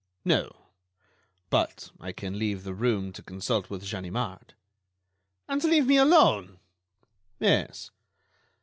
"No ... but I can leave the room to consult with Ganimard." "And leave me alone?" "Yes."